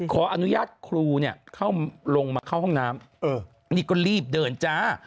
ขออนุญาตครูลงมาเข้าห้องน้ำนี่ก็รีบเดินจ้า